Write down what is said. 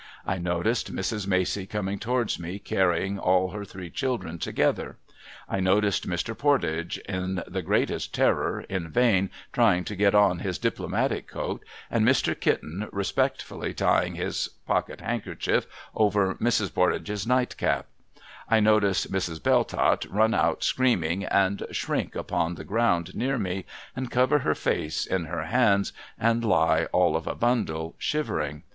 I noticed Mrs. Macey coming towards me, carrying all her three children together. I noticed Mr. Pordage in the greatest terror, in vain trying to get on his Diplomatic coat ; and Mr. Kitten respect fully tying his pocket handkerchief over Mrs. Pordage's nightcap. I noticed Mrs. Belltott run out screaming, and shrink upon the ground near me, and cover her face in her hands, and lie all of a bundle, shivering.